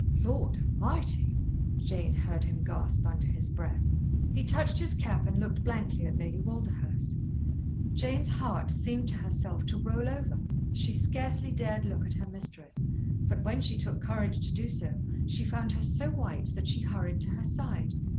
"Lord A'mighty!" Jane heard him gasp under his breath. He touched his cap and looked blankly at Lady Walderhurst. Jane's heart seemed to herself to roll over. She scarcely dared look at her mistress, but when she took courage to do so, she found her so white that she hurried to her side.